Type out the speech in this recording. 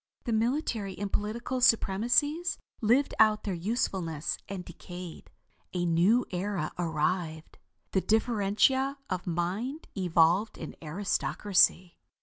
The military and political supremacies lived out their usefulness and decayed. A new era arrived. The differentia of mind evolved an aristocracy."